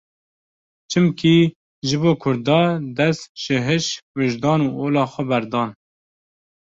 Çimkî ji bo Kurda dest ji heş, wijdan û ola xwe berdan.